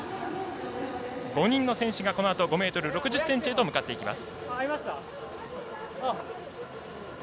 ５人の選手が、このあと５ｍ６０ｃｍへと向かっていきます。